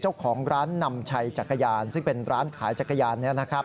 เจ้าของร้านนำชัยจักรยานซึ่งเป็นร้านขายจักรยานนี้นะครับ